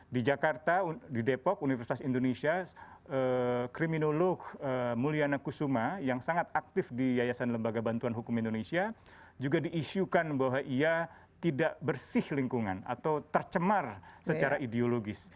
di jakarta di depok universitas indonesia kriminolog mulyana kusuma yang sangat aktif di yayasan lembaga bantuan hukum indonesia juga diisukan bahwa ia tidak bersih lingkungan atau tercemar secara ideologis